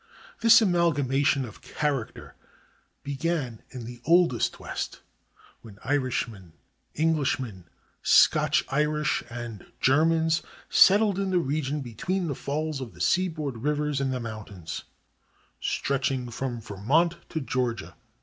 This amalgamation of character began in the oldest West, when Irishmen, Englishmen, Scotch Irish, and Germans settled in the region between the falls of the seaboard rivers and the mountains, stretching from Vermont to Georgia.